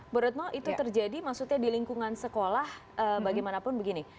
menurutmu itu terjadi maksudnya di lingkungan sekolah bagaimanapun begini